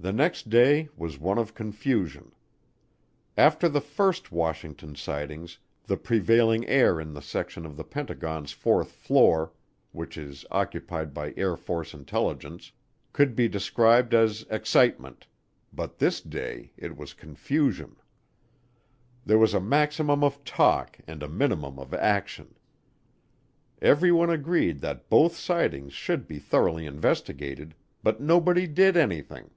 The next day was one of confusion. After the first Washington sighting the prevailing air in the section of the Pentagon's fourth floor, which is occupied by Air Force Intelligence, could be described as excitement, but this day it was confusion. There was a maximum of talk and a minimum of action. Everyone agreed that both sightings should be thoroughly investigated, but nobody did anything.